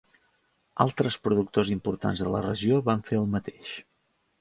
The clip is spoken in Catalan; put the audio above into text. Altres productors importants de la regió van fer el mateix.